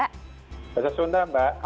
bahasa sunda mbak